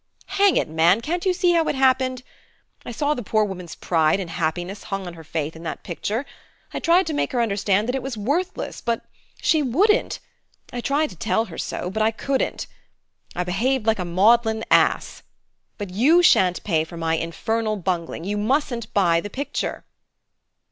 "Hang it, man, can't you see how it happened? I saw the poor woman's pride and happiness hung on her faith in that picture. I tried to make her understand that it was worthless but she wouldn't; I tried to tell her so but I couldn't. I behaved like a maudlin ass, but you shan't pay for my infernal bungling you mustn't buy the picture!"